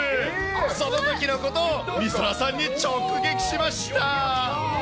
そのときのことを、みそらさんに直撃しました。